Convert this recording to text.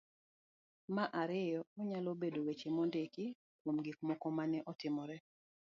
ma ariyo .Onyalo bedo weche mondiki kuom gik moko ma ne otimore..